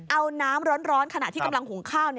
เอาน้ำร้อนขณะที่กำลังหุงข้าว